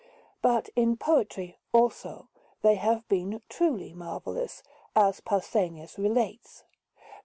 But in poetry, also, they have been truly marvellous, as Pausanias relates.